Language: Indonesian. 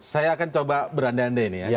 saya akan coba berandande ini ya